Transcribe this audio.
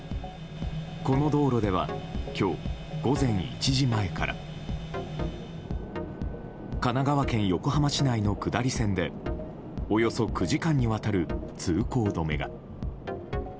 この道路では今日午前１時前から神奈川県横浜市内の下り線でおよそ９時間にわたる通行止めが。